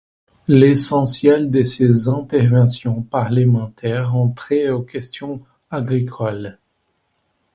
L'essentiel de ses interventions parlementaires ont trait aux questions agricoles.